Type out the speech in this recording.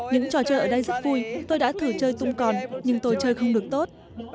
những trò chơi ở đây rất vui tôi đã thử chơi tung còn nhưng tôi chơi không được tốt